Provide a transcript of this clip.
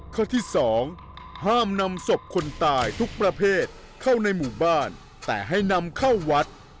ข้อที่๒ห้ามนำศพคนตายทุกประเภทเข้าในหมู่บ้านแต่ให้นำเข้าวัด